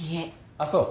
あっそう。